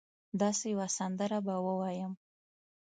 داسي یوه سندره به ووایم